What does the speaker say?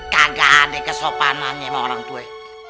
kagak ada kesopanan sama orang tua